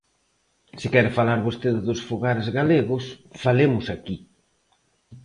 Se quere falar vostede dos fogares galegos, falemos aquí.